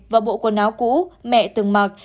và bộ quần áo cũ mẹ từng mặc